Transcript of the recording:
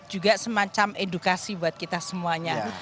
juga semacam edukasi buat kita semuanya